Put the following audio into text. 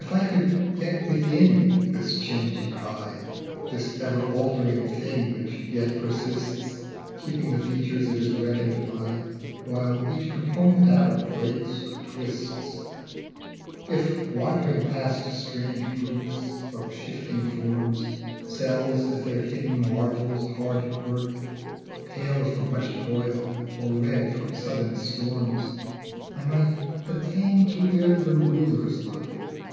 IF I could get within this changing I, This ever altering thing which yet persists, Keeping the features it is reckoned by, While each component atom breaks or twists, If, wandering past strange groups of shifting forms, Cells at their hidden marvels hard at work, Pale from much toil, or red from sudden storms, I might attain to where the Rulers lurk.